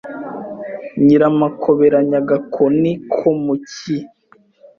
NyiramakoberanyaAgakoni ko mu cyi